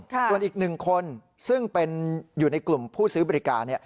ส่วนอีก๑คนซึ่งเป็นอยู่ในกลุ่มผู้ซื้อบริการ